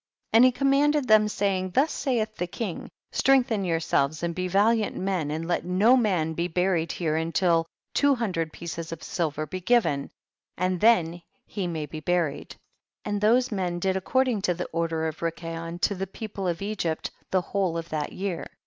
And he commanded them, saying, thus saith the king, strength ; en Yourselves and be valiant men, and let no man be buried here until two hundred pieces of silver be given, and then he may be buried ; 40 THE BOOK OF JASHER. and those men did according to the order of Rikayon to the people of Egypt the whole of that year, 15.